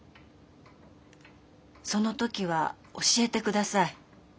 その時は教えてください。